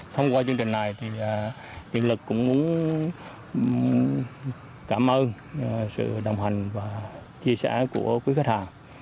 thông qua chương trình này thì điện lực cũng muốn cảm ơn sự đồng hành và chia sẻ của quý khách hàng